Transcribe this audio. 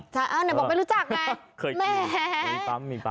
ใช่อ้าเดี๋ยวบอกไม่รู้จักไงเคยกินวีบัหมาก